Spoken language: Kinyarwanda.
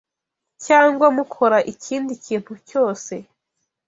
cyangwa mukora ikindi kintu cyose,